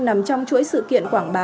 nằm trong chuỗi sự kiện quảng bá